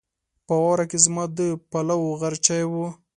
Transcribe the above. په واوره کې زما د پلوو غرچی و